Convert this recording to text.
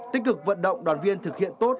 tích cực vận động đoàn viên thực hiện tốt